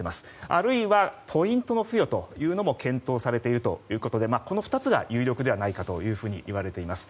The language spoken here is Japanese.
あるいは、ポイント付与も検討されているということでこの２つが有力ではないかと言われています。